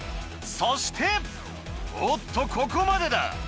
そしておっとここまでだ！